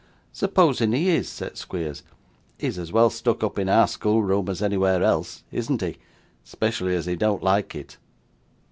'Supposing he is,' said Squeers, 'he is as well stuck up in our schoolroom as anywhere else, isn't he? especially as he don't like it.